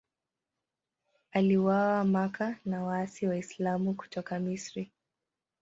Aliuawa Makka na waasi Waislamu kutoka Misri.